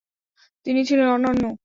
তিনি ছিলেন অনন্য।